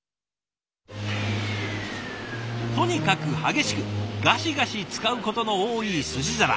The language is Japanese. とにかく激しくガシガシ使うことの多い寿司皿。